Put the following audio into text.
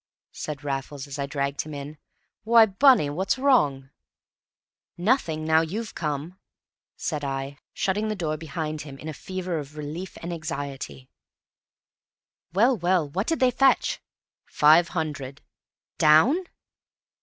said Raffles, as I dragged him in. "Why, Bunny, what's wrong?" "Nothing now you've come," said I, shutting the door behind him in a fever of relief and anxiety. "Well? Well? What did they fetch?" "Five hundred." "Down?"